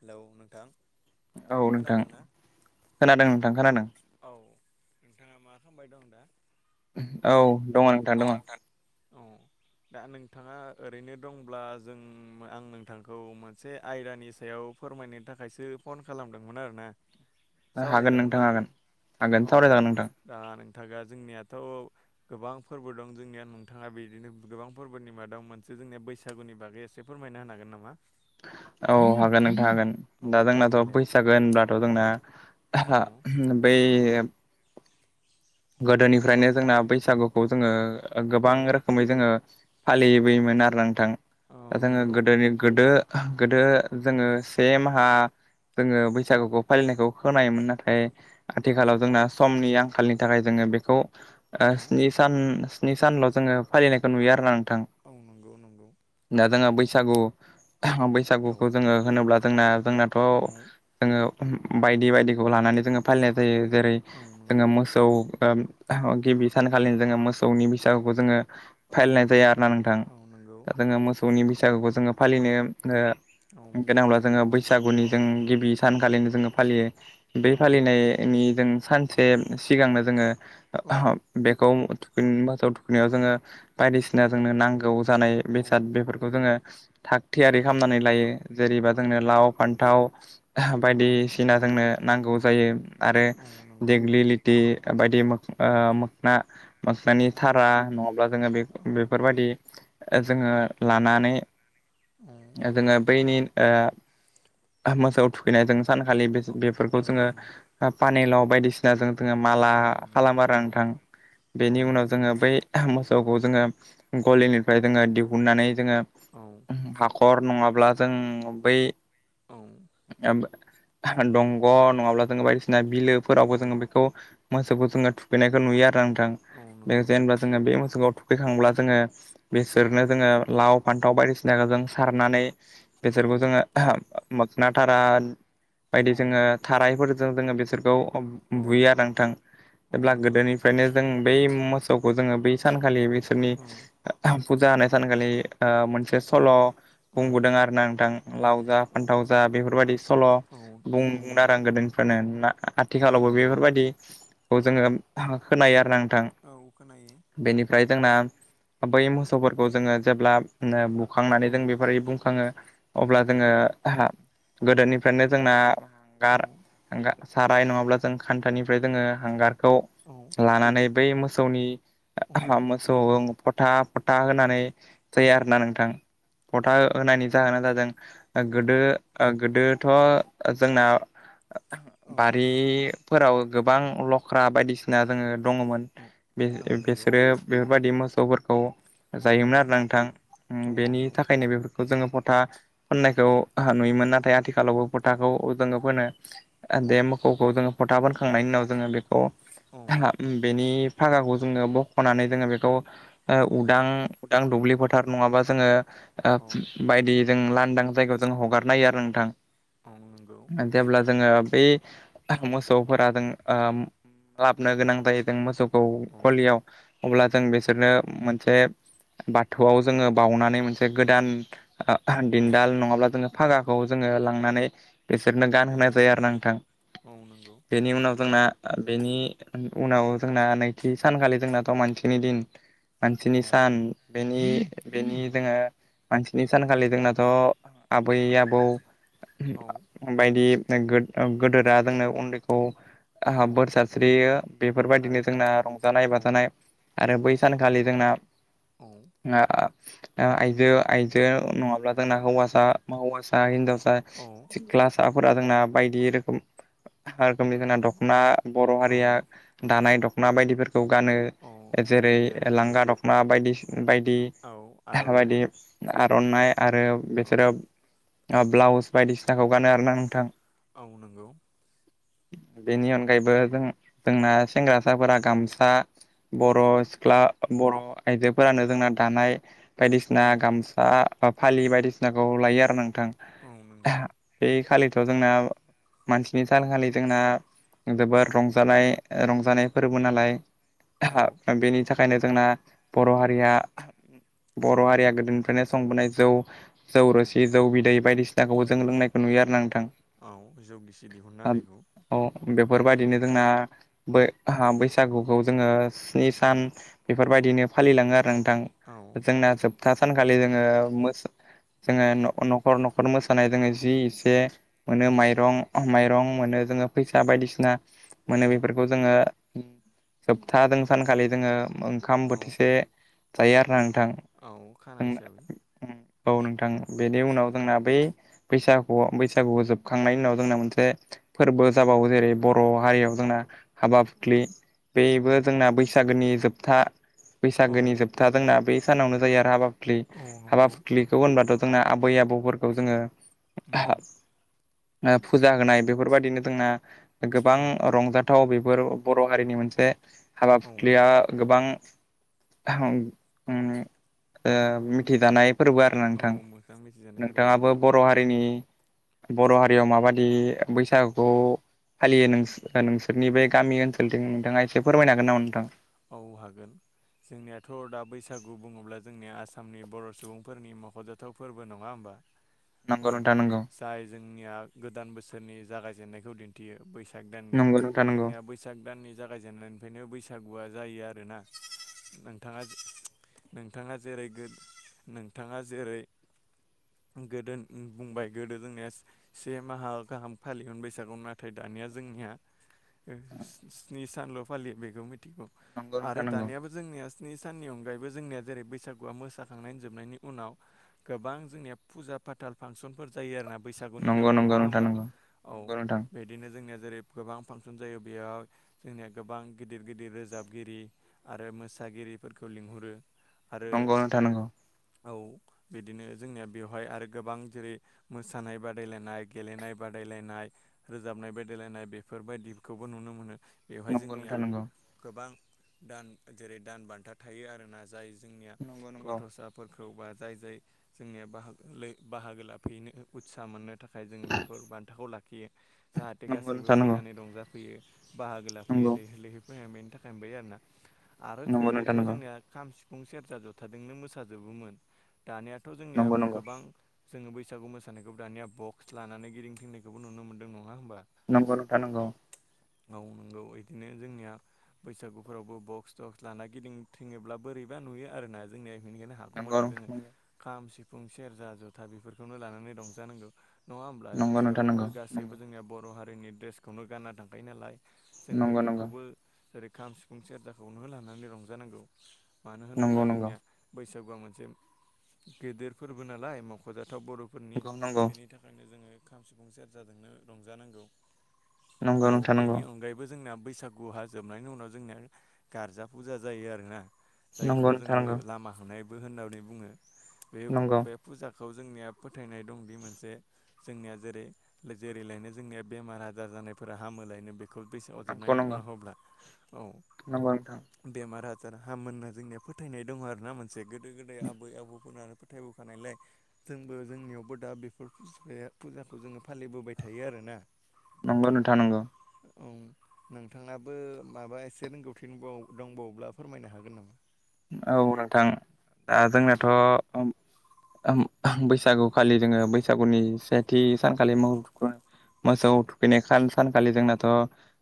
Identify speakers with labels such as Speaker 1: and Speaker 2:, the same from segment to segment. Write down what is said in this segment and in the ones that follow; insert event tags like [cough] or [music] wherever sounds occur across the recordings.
Speaker 1: Hello नोंथां‌!
Speaker 2: औ नोंथां खोनादों नोंथां खोनादों।
Speaker 1: औ नोंथाङा मा खालामबाय दं दा?
Speaker 2: औ दङ' नोंथां दङ'।
Speaker 1: औ। दा नोंथाङा ओरैनो दंब्ला जों आं नोंथांखौ मोनसे आयदानि सायाव फोरमायनो थाखायसो फन खालामदोंमोन आरोना।
Speaker 2: हागोन
Speaker 1: सावरायजागोन
Speaker 2: नोंथां
Speaker 1: ना?
Speaker 2: हागोन। हागोन सावराय जागोन नोंथां।
Speaker 1: थागा जोंनियाथ' गोबां फोरबो दं जोंनिया नोंथाङा बिदिनो गोबां फोरबोनि मादाव मोनसे जोंनिया बैसागुनि बागै एसे फोरमायना होनो हागोन नामा?
Speaker 2: औ हागोन नों थां हागोन
Speaker 1: औ
Speaker 2: दा जोंनाथ'
Speaker 1: फोरमायलाय
Speaker 2: बैसागो होनब्लाथ' जोंना
Speaker 1: औ
Speaker 2: बै
Speaker 1: औ
Speaker 2: गोदोनिफ्रायनो जोंना बैसागुखौ जोङो
Speaker 1: औ
Speaker 2: गोबां रोखोमै जोङो फालिबोयोमोन आरो नोंथां।
Speaker 1: औ
Speaker 2: दा जोङो
Speaker 1: नंगौ
Speaker 2: गोदोनि गोदो गोदो जोङो से माहा जोङो
Speaker 1: औ
Speaker 2: बैसागुखौ फालिनायखौ खोनायोमोन नाथाय
Speaker 1: औ
Speaker 2: आथिखालाव जोंना समनि आंखालनि थाखाय जोङो बेखौ
Speaker 1: औ
Speaker 2: ओ स्नि सान स्नि सानल' जोङो फालिनायखौ नुयो आरोना नों थां।
Speaker 1: औ नंगौ नंगौ
Speaker 2: दा जोङो बैसागु
Speaker 1: औ
Speaker 2: बैसागुखौ जोङो होनोब्ला जोंना जोंनाथ'
Speaker 1: औ
Speaker 2: जोङो बायदि बायदिखौ लानानै जोङो फालिनाय जायो। जेरै
Speaker 1: औ
Speaker 2: जोङो
Speaker 1: नंगौ
Speaker 2: मो ओ गिबि सानखालिनो जोङो मोसौनि बैसागुखौ जोङो
Speaker 1: औ
Speaker 2: फालिनाय जाया आरोना नोंथां
Speaker 1: औ नंगौ
Speaker 2: दा जोङो मोसौनि बैसागुखौ जोङो फालिनो ओ
Speaker 1: औ
Speaker 2: गोनांब्ला
Speaker 1: फालिनो
Speaker 2: जोङो
Speaker 1: थाखाय
Speaker 2: बैसागुनि
Speaker 1: औ
Speaker 2: जों गिबि सानखालिनो जोङो फालियो। बे
Speaker 1: औ
Speaker 2: फालिनायनि जों सानसे सिगांनो जोङो
Speaker 1: औ
Speaker 2: बेखौ थुखैन मोसौ थुखैनायाव जोङो
Speaker 1: औ
Speaker 2: बायदिसिना जोंनो नांगौ जानाय
Speaker 1: औ
Speaker 2: बेसाद बेफोरखौ जोङो थाग थियारि
Speaker 1: औ
Speaker 2: खामनानै लायो जेरै इदिबा
Speaker 1: औ
Speaker 2: जोंनो
Speaker 1: नंगौ
Speaker 2: लाव फान्थाव
Speaker 1: औ
Speaker 2: बायदिसिना जोंनो नांगौ जायो आरो
Speaker 1: औ नंगौ
Speaker 2: देग्लिलिटि बायदि ओ मो-मोखना
Speaker 1: औ
Speaker 2: मोखनानि थारा नङाब्ला जोङो बे
Speaker 1: औ
Speaker 2: बेफोरबायदि जोङो लानानै जोङो बैनि ओ मोसौ थुखैनायजों सानखालि
Speaker 1: औ
Speaker 2: बेफोरखौ जोङो पानेलाव बायदिसिनाजों जोङो माला
Speaker 1: औ
Speaker 2: खालामो आरो नोंथां। बेनि उनाव
Speaker 1: नंगौ
Speaker 2: जोङो बै मोस सौखौ जोङो गलिनिफ्राय जोङो दिहुननानै जोङो
Speaker 1: औ
Speaker 2: हा ख'र नङाब्ला जों बै
Speaker 1: औ।
Speaker 2: दंग नङाब्ला जोङो बायदिसिना
Speaker 1: औ
Speaker 2: बिलोफोरावबो जोङो बिखौ मोसौखौ जोङो थुखैनायखौ नुयो आरो नोंथां
Speaker 1: औ
Speaker 2: बे
Speaker 1: नंगौ
Speaker 2: जेनेबा जोङो बे मो सौखौ थुखैखांब्ला जोङो
Speaker 1: औ
Speaker 2: बिसोरनो जोङो लाव फान्थाव बायदिसिनाखौ जों सारनानै
Speaker 1: औ
Speaker 2: बेसोरखौ जोङो मोखना थारा बायदि
Speaker 1: औ
Speaker 2: जोङो थारायफोर जों बिसोरखौ बुयो नोंथां।
Speaker 1: औ
Speaker 2: जेब्ला
Speaker 1: नंगौ
Speaker 2: गोदोनिफ्रायनो जों बै मोसौखौ जोङो बै सानखालि बेसोरनि
Speaker 1: औ
Speaker 2: फुजा होनाय सानखालि ओ मोनसे सल' बुंबोदों
Speaker 1: औ
Speaker 2: आरोना नोंथां लाव जा फान्थाव जा बेफोरबायदि सल
Speaker 1: औ नंगौ
Speaker 2: बुंबुं आरो आं गोदो बेफोरनो
Speaker 1: औ
Speaker 2: आथिखालावबो
Speaker 1: नंगौ
Speaker 2: बेफोरबायदि खौ जोङो खोनायो आरो ना।
Speaker 1: औ खोनायो।
Speaker 2: जोंना बै मोसौफोरखौ जोङो जेब्ला बिदिनो
Speaker 1: औ
Speaker 2: बुखांनानै जों बेफोरदि बुंखाङो अब्ला जोङो गोदोनिफ्रायनो जोंना
Speaker 1: औ
Speaker 2: हांगार हांगार साराय नङाब्ला जों खान्थानिफ्राय जोङो हांगारखौ
Speaker 1: औ
Speaker 2: लानानै बै मोसौनि आ
Speaker 1: औ
Speaker 2: हा मोसौ फोथा फोथा होनानै जायो
Speaker 1: औ
Speaker 2: आरोना नोंथां फथा
Speaker 1: औ
Speaker 2: होनायनि
Speaker 1: नंगौ
Speaker 2: जाहोना जादों गोदो गोदोथ' जोंना
Speaker 1: औ
Speaker 2: बारि फोराव गोबां लख्रा बायदिसिना जोङो दङमोन
Speaker 1: औ
Speaker 2: बि
Speaker 1: औ नंगौ
Speaker 2: बिसोरो बेफोरबायदि मोसौफोरखौ
Speaker 1: औ
Speaker 2: जायोमोन आरो ना
Speaker 1: औ
Speaker 2: नोंथां बेनि
Speaker 1: नंगौ
Speaker 2: थाखायनो बेफोरखौ जोङो फथा फोननायखौ
Speaker 1: औ
Speaker 2: नुयोमोन नाथाय आथिखालावबो फोथाखौ जोङो फोनो
Speaker 1: औ
Speaker 2: दे मोखौखौ जोङो फोथा खांनायनि उनाव जोङो बेखौ
Speaker 1: औ
Speaker 2: आहा बेनि फागाखौ जोङो बखनानै जोङो बेखौ उदां उदां दुब्लि फोथार नङाबा जोङो ओ
Speaker 1: औ
Speaker 2: बायदि जों लांदां जायगायाव जों हगारन हायो आरो नोंथां।
Speaker 1: औ नंगौ
Speaker 2: जेब्ला जोङो बे मोसौ फोरा जों ओ लाबनो गोनां जायो जों मोसौखौ
Speaker 1: औ
Speaker 2: गलियाव अब्ला जों बिसोरनो मोनसे बाथौआव जोङो बाउनानै मोनसे गोदान ओ
Speaker 1: औ
Speaker 2: दिनदाल नङाब्ला जोङो फागाखौ जोङो लांनानै बिसोरनो गानहोनाय जायो
Speaker 1: होयो
Speaker 2: आरो ना नोंथां।
Speaker 1: औ नंगौ
Speaker 2: बेनि उनाव जोंना बेनि उनाव जोंना नैथि सानखालि जोंनाथ' मानसिनि दिन
Speaker 1: औ
Speaker 2: मानसिनि सान बेनि
Speaker 1: औ
Speaker 2: बेनि जोङो मानसिनि सानखालि जोंनाथ' आबै
Speaker 1: औ
Speaker 2: आबौ
Speaker 1: औ औ
Speaker 2: बायदि गोद गोदोरा जोंनो उन्दै खौ आहा बोर सारस्रियो बेफोरबायदिनो
Speaker 1: आरो
Speaker 2: जोंना रंजानाय
Speaker 1: औ
Speaker 2: बाजानाय आरो बै सानखालि जोंना
Speaker 1: औ
Speaker 2: ओ ओ आइजो आइजो नङाब्ला जोंना हौवासा हौवासा हिनजाव ओ
Speaker 1: औ
Speaker 2: सिख्लासाफोरा जोंना बायदि रोखोम हा रोखोमनि जोंना
Speaker 1: रोखोमै
Speaker 2: दख'ना बर'
Speaker 1: औ
Speaker 2: हारिया दानाय दख'ना बायदिफोर खौ गानो
Speaker 1: औ
Speaker 2: जेरै लांगा दख'ना बायदिसि बायदि
Speaker 1: औ आर'नाइ
Speaker 2: बायदि आरनाइ आरो
Speaker 1: औ
Speaker 2: बिसोरो ओ ब्लाउस बायदिसिनाखौ गानो आरोना नोंथां।
Speaker 1: औ नोंगौ।
Speaker 2: बेनि अनगायैबो जों जोंना सेंग्रासाफोरा गामसा बर'
Speaker 1: औ
Speaker 2: सिख्ला बर' आइजोफोरानो जोंना दानाय
Speaker 1: औ
Speaker 2: बायदिसिना गामसा बा फालि बायदिसिनाखौ लायो आरो नोंथां
Speaker 1: औ नंगौ
Speaker 2: ओह बे खालि जोंना मानसिनि सान खालि जोंना जोबोर
Speaker 1: औ
Speaker 2: रंजानाय रंजानाय फोरबो नालाय
Speaker 1: औ
Speaker 2: बेनि थाखा खायनो जोंना बर' हारिया बर' हारिया गोदोनिफ्रायनो संबोनाय जौ जौ रोसि जौ बिदै बायदिसिनाखौबो
Speaker 1: औ
Speaker 2: जों लोंनायखौ नुयो आरो ना नोंथां
Speaker 1: औ जौगिसि दिहुनना होनायखौ
Speaker 2: औ बेफोरबायदिनो
Speaker 1: औ
Speaker 2: जोंना बैसागुखौ जोङो स्नि सान
Speaker 1: औ
Speaker 2: बेफोरबायदिनो फालिलाङो आरो नोंथां
Speaker 1: औ
Speaker 2: जोंना जोब था सानखालि जोङो जोङो न'खर न'खर मोसानाय जोङो जि एसे मोनो
Speaker 1: औ
Speaker 2: माइरं माइरं मोनो जोङो फैसा बायदिसिना मोनो
Speaker 1: औ
Speaker 2: बेफोरखौ जोङो जोबथा जों सानखालि जोङो ओंखाम
Speaker 1: औ
Speaker 2: बोथिसे जायो आरो ना नों
Speaker 1: औ खाना
Speaker 2: थां
Speaker 1: हिसाबै
Speaker 2: औ नोंथां बेनि उनाव
Speaker 1: औ
Speaker 2: जोंना बै बैसागुआव बैसागुखौ जोबखांनायनि उनाव जोंना मोनसे फोरबो जाबावो जेरै बर' हारियाव जोंना हाबा फुखलि
Speaker 1: औ
Speaker 2: बेबो जोंना बैसागोनि जोबथा
Speaker 1: औ
Speaker 2: बैसागोनि जोबथा जोंना बे सानावनो जायो आरो हाबा फुख्लि
Speaker 1: औ
Speaker 2: हाबा
Speaker 1: नंगौ
Speaker 2: फुख्लिखौ होनबाथ' जोंना आबै आबौफोरखौ जोङो
Speaker 1: [inaudible]
Speaker 2: फुजा होनाय बेफोरबायदिनो जोंना गोबां
Speaker 1: औ
Speaker 2: रंजाथाव बे बर' हारिनि मोनसे हाबा फुख्रिया गोबां मिथिजानाय फोरबो आरो
Speaker 1: औ
Speaker 2: नोंथां
Speaker 1: मोजां मिथिजानाय फोरबो
Speaker 2: नोंथाङाबो बर' हारिनि बर' हारियाव माबा बे बैसागुखौ फालियो नों नोंसोरनि बे गामि ओनसोलथिं नोंथाङा एसे फोरमायनो हागोन नामा नोंथा?
Speaker 1: औ हागोन। जोंनियाथ' दा बैसागु बुङोब्ला जोंनिया आसामनि बर' सुबुंफोरनि मख'जाथाव फोरबो नङा होमबा। औ
Speaker 2: नंगौ नोंथां नंगौ
Speaker 1: जाय जोंनिया गोदान बोसोरनि जागायजेननायखौ दिन्थियो बैसा बैसाग दाननि
Speaker 2: नंगौ नोंथां नंगौ
Speaker 1: जोंनिया बैसाग दाननि जागायजेननायनिफ्रायनो बैसा आ जायो आरोना नोंथाङा नोंथाङा जेरै- गो नोंथाङा जेरै गोदो बुंबाय गोदो जोंनिया से माहा गाहाम फालियो बैसागु नाथाय दा दानिया जोंनिया स्नि सानल' फालियो बेखौ मि थिगौ आरो दानियाबो जोंनिया स्नि साननि अनगायैबो जोंनिया जेरै बैसागुआ मोसाखांनाय होन जोबनायनि उनाव गोबां जोंनिया फुजा फाथाल फांसनफोर जायो आरोोना बैसागुनि
Speaker 2: नंगौ
Speaker 1: नामाव नङा
Speaker 2: नोंथां
Speaker 1: होमबा
Speaker 2: नंगौ
Speaker 1: औ
Speaker 2: नंगौ
Speaker 1: बिदिनो जोंनिया जेरै गोबां फांसन जायो बेयाव जोंनिया गोबां गिदिर गिदिर रोजाबगिरि आरो मोसागिरिफोरखौ लिंहरो। आरो
Speaker 2: नंगौ नोंथां नंगौ
Speaker 1: औ बिदिनो जोंनिया बेवहाय आरो गोबां जेरै मोसानाय बादायलायनाय गेलेनाय बादायलायनाय रोजाबनाय बादायलायनाय बेफोरबायदिखौबो नुनो मोनो। बेवहाय
Speaker 2: नंगौ
Speaker 1: जोंनिया
Speaker 2: नोंथां नंगौ।
Speaker 1: गोबां दान जेरै दान बान्था थायो आरोना जाय जोंनिया
Speaker 2: नोंथां नंगौ
Speaker 1: गथ'साफोरखौ खौ बा जाय जाय जोंनिया बाहागो बाहागो लाफैनो उत्सा मोननो थाखाय जोङो बेफोर बान्थाखौ लाखियो जाहाथे
Speaker 2: नंगौ
Speaker 1: गासैबो
Speaker 2: नोंथां नंगौ
Speaker 1: फैनानै रंजाफैयो। बाहागो लाफैयो
Speaker 2: नंगौ
Speaker 1: लैहोर लैहोर फैयो
Speaker 2: नंगौ नोंथां नंगौ
Speaker 1: सिफुं सेरजा जथाजोंनो मोसाजोबोमोन दानियाथ' जोंनिया
Speaker 2: नंगौ नंगौ
Speaker 1: गोबां जोङो बैसागु मोसानायखौ दानिया बक्स लानानै गिदिंफिंनायखौबो नुनो मोनदों नङा होनोमबा।
Speaker 2: नंगौ नोंथां नंगौ।
Speaker 1: औ नोंगौ इदिनो जोंनिया बैसागुफोरावबो बक्स थक्स लाना गिदिं थोङोब्ला बोरैबा नुयो आरोना जोंनिया बेनिखायनो
Speaker 2: नंगौ
Speaker 1: हागौमानिानि
Speaker 2: नंगौ
Speaker 1: जोङो खाम सिफुं सेरजा जथा बेफोरखौनो लानानै रंजानांगौ। नङा होमब्ला जों
Speaker 2: नंगौ नोंथां नंगौ
Speaker 1: बेवहायथ'
Speaker 2: नंगौ
Speaker 1: गासैबो जोंनिया बर' हारिनि ड्रेसखौनो गानना थांखायो नालाय जों
Speaker 2: नंगौ नोंथां नंगौ
Speaker 1: बेफोरखौबो जेरै खाम सिफुं सेरजाखौनो लानानै रंजानांगौ। मानो
Speaker 2: नंगौ
Speaker 1: होनोब्ला
Speaker 2: नंगौ
Speaker 1: जोंनिया बैसागुआ मोनसे गेदेर फोरबो नालाय मख'जा थाव बर'फोरनि
Speaker 2: नंगौ
Speaker 1: बेनि थाखायनो जोङो खाम सिफुं सेरजाजोंनो रंजानांगौ। औ
Speaker 2: नंगौ नोंथां
Speaker 1: बेनि
Speaker 2: नंगौ
Speaker 1: अनगायैबो जोंना बैसागुहा जोबनायनि उनाव जोंनिया गारजा फुजा जायो आरोना। जायखौ
Speaker 2: नंगौ नोंथां
Speaker 1: जोङो
Speaker 2: नंगौ
Speaker 1: लामा होनाय बो होननानै बुङो। बे
Speaker 2: नंगौ
Speaker 1: बे फुजा खौ जोंनिया फोथायनाय दं दि मोनसे जोंनिया जेरै जेरैलायनो जोंनिया बेमार आजार जानायफोरा हामो लायनो बेखौ दैसे
Speaker 2: नंगौ
Speaker 1: अरजाबनायनि
Speaker 2: नंगौ
Speaker 1: उनाव होब्ला। औ।
Speaker 2: नंगौ नोंथां
Speaker 1: बेमार आजार हामोनना जोंनिया फोथायनाय दङ आरो ना मोन जे गोदो गोदाय आबै आबौ फोरा फोथायबोखानायलाय जोंबो जोंनियावबो दा बेफोर फुजाखौ जोङो फालिबोबाय थायो आरो। [unintelligible]
Speaker 2: नंगौ नोंथां नंगौ।
Speaker 1: औ, नोंथाङनाबो माबा एसे रोंगौथि दंबावोब्ला फोरमायनो हागोन नामा।
Speaker 2: औ नोंथां दा जोंनाथ' बैसागु खालि जोङो बैसागुनि सेथि सानखालि मो मोसौ थुखैनाय सानखालि जोंनाथ'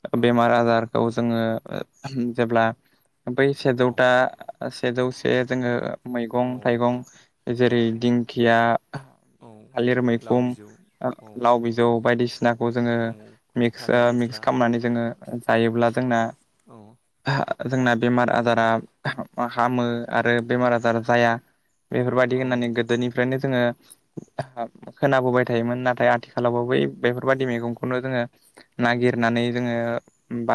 Speaker 1: औ
Speaker 2: बेमार आजारखौ जोङो जेब्ला बै
Speaker 1: औ
Speaker 2: सेजौता सेजौसे जोङो मैगं
Speaker 1: औ
Speaker 2: थाइगं जेरै दिंखिया
Speaker 1: औ।
Speaker 2: थालिर
Speaker 1: लाव
Speaker 2: मैखुम
Speaker 1: बिजौ औ
Speaker 2: लाव बिजौ बायदिसिनाखौ जोङो
Speaker 1: औ
Speaker 2: मिक्स
Speaker 1: थालिर फस्ला
Speaker 2: मिक्स खालामनानै जोङो जायोब्ला जोंना
Speaker 1: औ
Speaker 2: जोंना बेमार
Speaker 1: औ
Speaker 2: आजारा हो आरो बेमार आजार जाया बेफोरबायदि
Speaker 1: औ
Speaker 2: होननानै गोदोनिफ्रायनो जोङो खोनाबोबाय थायोमोन नाथाय आथिखालावबाबो बै बेफोरबायादि मैगंखौनो जोङो। नागिरनानै जोङो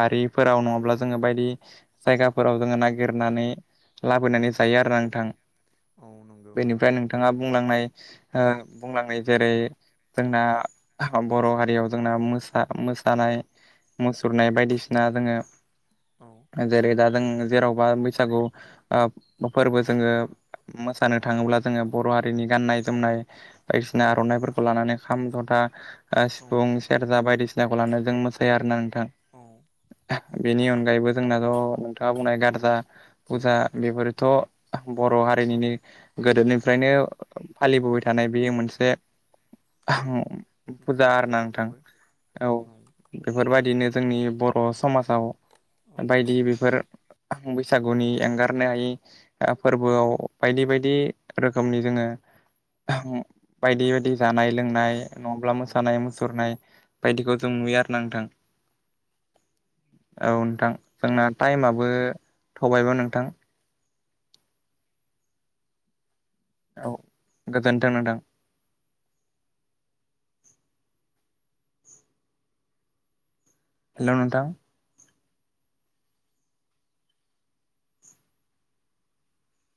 Speaker 1: औ
Speaker 2: नङाब्ला जोङो बायदि जायगाफोराव जोङो नागिरनानै
Speaker 1: औ
Speaker 2: लाबोनानै जायो आरो ना नोंथां‍।
Speaker 1: औ नंगौ
Speaker 2: बेनिफ्राय नोंथाङा बुंलांनाय बुंलांनाय जेरै जोंना बर' हारियाव जोंना मोसा मोसानाय मुसुरनाय बायदिसिना जोङो
Speaker 1: औ
Speaker 2: जेरै दा जों जेरावबा बैसागु फोरबो जोङो मोसानो
Speaker 1: औ
Speaker 2: थाङोब्ला जोङो बर' हा हारिनि गाननाय जोमनाय, बायदिसिना आर'नायफोरखौ लानानै खाम जथा
Speaker 1: औ
Speaker 2: सिफुं सेरजा बायदिसिनाखौ लानो जों मोसायो आर ना नोंथाङा
Speaker 1: औ।
Speaker 2: बेनि अनगायैबो जोंनाथ' नोंथाङा बुंनाय
Speaker 1: औ
Speaker 2: गारजा फुजा बेफोरथ' बर' हारिनिनो
Speaker 1: औ
Speaker 2: गोदोनिफ्रायनो
Speaker 1: औ
Speaker 2: फालिबोबाय थानाय बेयो मोनसे बुरजा आरो ना
Speaker 1: मख'जाथाव
Speaker 2: नंथां।
Speaker 1: फोरबो
Speaker 2: औ बेफोरबायदिनो जोंनि बर' समाजाव बायदि बेफोर बैसाग गुनि एंगारनो हायि फोरबोआव बायदि बायदि रोखोमनि जोङो बायदि बायदि जानाय लोंनाय नङाब्ला
Speaker 1: औ
Speaker 2: मोसानाय मुसुरनाय बायदिखौ जों नुयो आरो ना नोंथां। औ नोंथां, जोंना टाइमाबो थौबायबो नोंथां औ गोजोन्थों नोंथां। हेल' नोंथां।